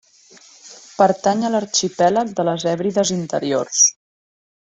Pertany a l'arxipèlag de les Hèbrides Interiors.